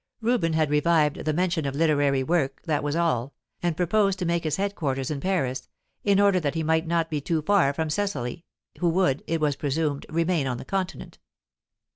Reuben had revived the mention of literary work, that was all, and proposed to make his head quarters in Paris, in order that he might not be too far from Cecily, who would, it was presumed, remain on the Continent.